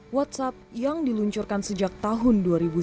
whatsapp yang diluncurkan sejak tahun dua ribu sembilan belas